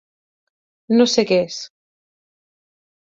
No sé què és.